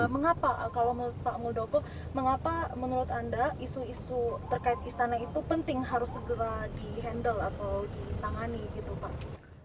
mengapa kalau menurut pak muldoko mengapa menurut anda isu isu terkait istana itu penting harus segera di handle atau ditangani gitu pak